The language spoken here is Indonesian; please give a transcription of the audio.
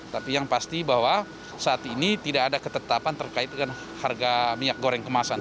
tapi yang pasti bahwa saat ini tidak ada ketetapan terkait dengan harga minyak goreng kemasan